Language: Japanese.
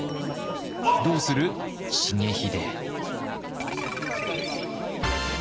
どうする重秀？